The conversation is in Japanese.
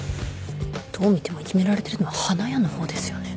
どう見てもいじめられてるのは花屋の方ですよね。